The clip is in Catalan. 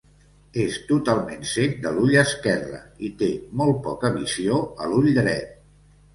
És totalment cec de l'ull esquerre i té molt poca visió a l'ull dret.